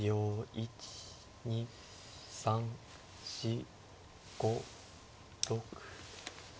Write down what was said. １２３４５６。